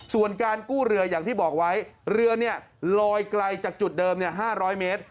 ส่วนการกู้เรืออย่างที่บอกไว้เรือลอยไกลจากจุดเดิม๕๐๐เมตร